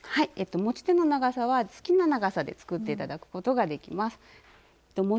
持ち手の長さは好きな長さで作って頂くことができます。